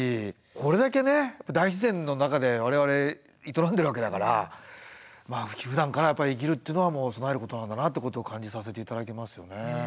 これだけね大自然の中で我々営んでるわけだからふだんから生きるっていうのは備えることなんだなってことを感じさせて頂きますよね。